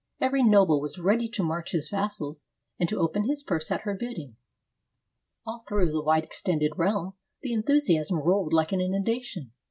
Every noble was ready to march his vassals and to open his purse at her bidding. All through the wide extended realm, the enthusiasm rolled like an innundation.